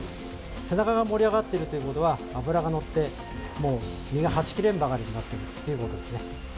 背中が盛り上がっているということは脂がのって、身がはち切れんばかりとなっているということですね。